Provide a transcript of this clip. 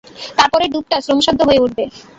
তারপরের ডুবটা শ্রমসাধ্য হয়ে উঠবে।